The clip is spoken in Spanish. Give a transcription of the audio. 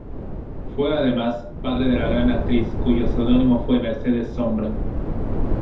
Fue además, padre de la gran actriz cuyo seudónimo fue Mercedes Sombra.